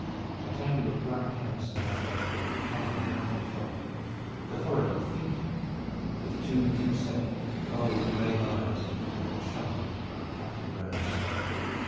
A tangle of black hair surmounted a high rounded forehead, the forehead of a thinker, with two deep set cold gray eyes twinkling sharply from under tufted brows.